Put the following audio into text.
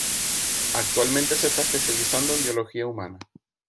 Actualmente se está especializando en Biología humana.